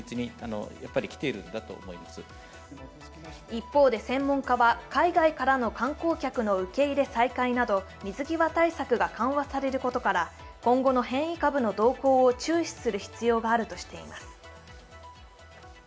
一方で専門家は海外からの観光客の受け入れ再開など水際対策が緩和されることから、今後の変異株の動向を注視する必要があるとしています。